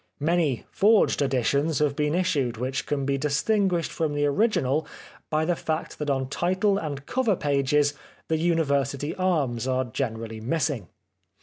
Many forged editions have been issued which can be distinguished from the original by the fact that on title and cover pages the University Arms are generally missing.